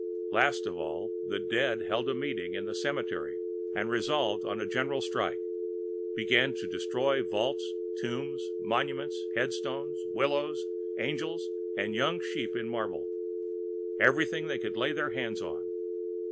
Last of all, the dead held a meeting in the cemetery and resolving on a general strike, began to destroy vaults, tombs, monuments, headstones, willows, angels and young sheep in marble—everything they could lay their hands on.